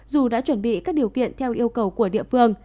dù đã chuẩn bị các điều kiện theo yêu cầu của địa phương